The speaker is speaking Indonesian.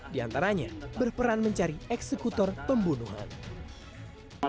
di antaranya berperan mencari eksekutor pembunuhan